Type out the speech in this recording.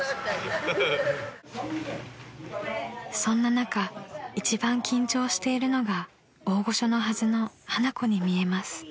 ［そんな中一番緊張しているのが大御所のはずの花子に見えます］